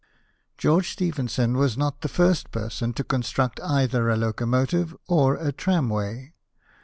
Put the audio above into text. George Stephenson was not the first person to construct either a locomotive or a tramway.